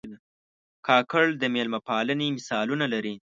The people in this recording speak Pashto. کاکړ د مېلمه پالنې مثالونه لري.